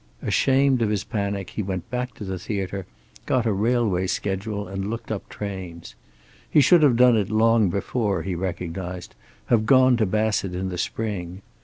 Ashamed of his panic he went back to the theater, got a railway schedule and looked up trains. He should have done it long before, he recognized, have gone to Bassett in the spring.